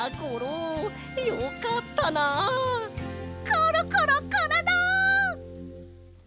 コロコロコロロ！